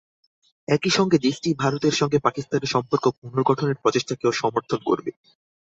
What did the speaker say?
একই সঙ্গে দেশটি ভারতের সঙ্গে পাকিস্তানের সম্পর্ক পুনর্গঠনের প্রচেষ্টাকেও সমর্থন করবে।